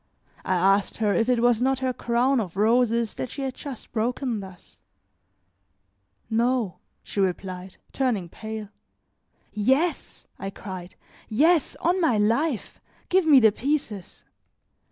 I asked her if it was not her crown of roses that she had just broken thus. "No," she replied, turning pale. "Yes," I cried, "yes, on my life. Give me the pieces."